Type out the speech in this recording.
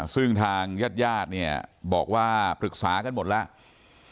ซึ่งทางญาติญาติเนี่ยบอกว่าปรึกษากันหมดแล้ว